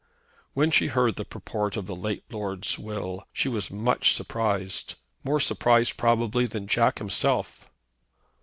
When she heard the purport of the late lord's will she was much surprised, more surprised, probably, than Jack himself.